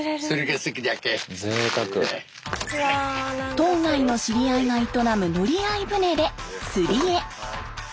島外の知り合いが営む乗り合い船で釣りへ。